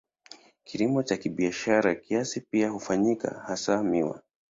Kilimo cha kibiashara kiasi pia hufanyika, hasa miwa.